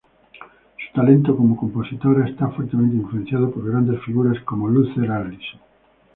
Su talento como compositora está fuertemente influenciado por grandes figuras como Luther Allison.